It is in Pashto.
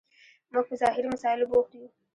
موږ په ظاهري مسایلو بوخت یو.